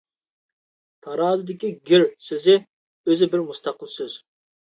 تارازىدىكى «گىر» سۆزى ئۆزى بىر مۇستەقىل سۆز.